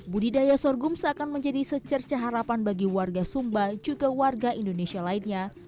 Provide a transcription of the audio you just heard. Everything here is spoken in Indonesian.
budidaya sorghum seakan menjadi secerca harapan bagi warga sumba juga warga indonesia lainnya